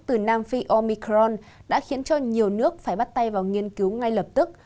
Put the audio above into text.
từ nam phi omicron đã khiến cho nhiều nước phải bắt tay vào nghiên cứu ngay lập tức